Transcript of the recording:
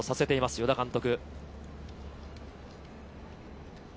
与田監督。